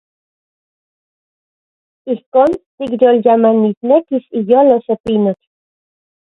Ijkon tikyolyamanisnekis iyolo se pinotl.